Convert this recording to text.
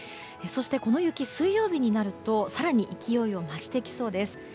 そしてこの雪、水曜日になると更に勢いを増してきそうです。